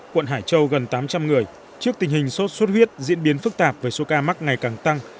quận hải châu gần tám trăm linh người trước tình hình sốt xuất huyết diễn biến phức tạp với số ca mắc ngày càng tăng